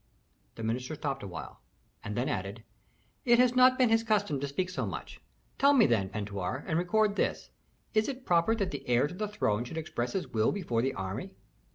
The minister stopped awhile, and then added, "It has not been his custom to speak so much. Tell me then, Pentuer, and record this: Is it proper that the heir to the throne should express his will before the army?